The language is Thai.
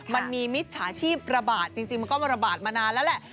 มิจฉาชีพระบาดจริงมันก็ระบาดมานานแล้วแหละ